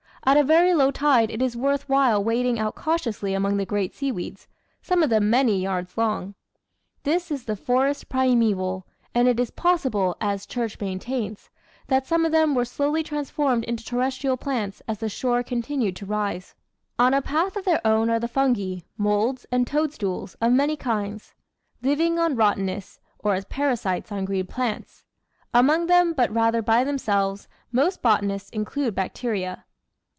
At a very low tide it is worth while wading out cautiously among the great seaweeds, some of them many yards long. This is the forest primeval, and it is possible, as Church maintains, that some of them were slowly transformed into terrestrial plants as the shore continued to rise. On a path of their own are the Fungi moulds and toad stools of many kinds living on rottenness, or as parasites on green plants. Among them, but rather by themselves, most botanists include bacteria.